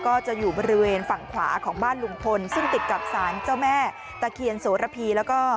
ก็จะอยู่บริเวณฝั่งขวาของบ้านลุงพลซึ่งติดกับสารเจ้าแม่ตะเคียนโสระพีแล้วก็